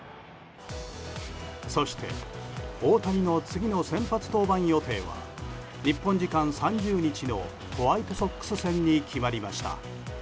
そして大谷の次の先発登板予定は日本時間３０日のホワイトソックス戦に決まりました。